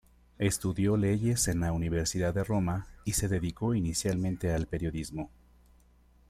Estudió leyes en la Universidad de Roma, y se dedicó inicialmente al periodismo.